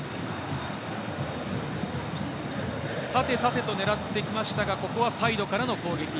縦、縦と狙ってきましたが、ここはサイドからの攻撃。